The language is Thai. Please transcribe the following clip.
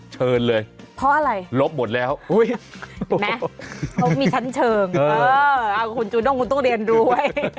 เชิญเลยลบหมดแล้วโอ้โฮมีชั้นเชิงคุณจูนกคุณต้องเรียนด้วย